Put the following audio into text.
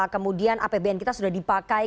kemudian apbn kita sudah dipakai